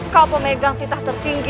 kau pemegang titah tertinggi